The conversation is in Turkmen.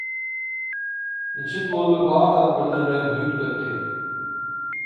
Niçik boldy bar zat birden reňkini üýtgetdi.